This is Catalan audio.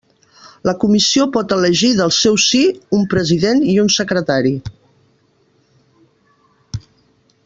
La Comissió pot elegir, del seu sí, un president i un secretari.